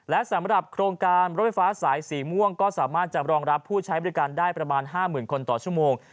และสำหรับโครงการรถไฟฟ้าสายสีม่วงก็สามารถจะรองรับผู้ใช้บริการได้ประมาณ๕๐๐๐คนต่อชั่วโมง